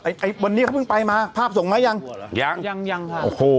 ไอ้วันนี้เขาเพิ่งไปมาภาพส่งมายังยังยังค่ะโอ้โห